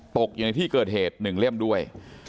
ตกอยู่ในที่เกิดเหตุ๑เล่มด้วย